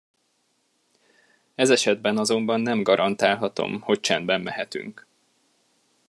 Ez esetben azonban nem garantálhatom, hogy csendben mehetünk.